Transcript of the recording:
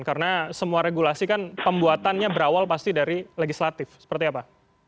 karena semua regulasi kan pembuatannya berawal pasti dari legislatif seperti apa